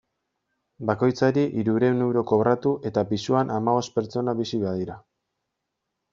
Bakoitzari hirurehun euro kobratu, eta pisuan hamabost pertsona bizi badira.